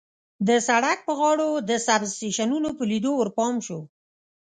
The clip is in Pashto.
د سړک په غاړو د سټېشنونو په لیدو ورپام شو.